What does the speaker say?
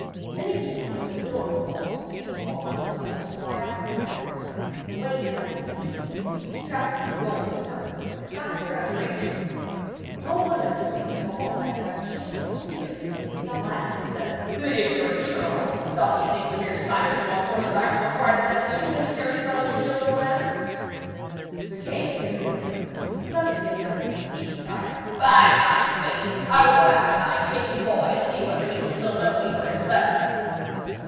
Many people went to the door of the hall to see Beaumains mount his horse and ride after the damsel, and the way he sat his steed, with its trappings of gold and purple, excited their admiration. But all wondered to see that Beaumains had neither shield nor spear, and some laughed and said, 'The ignorant churl! Doth he think the mere sight of him on horseback will affright his enemies, that he carries neither shield nor lance.' Sir Kay sneered with them, and suddenly getting up from his seat he cried: 'By my faith! I will go after my kitchen boy and see whether he will still know me for his better!'